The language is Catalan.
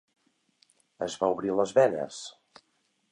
Es va obrir les venes.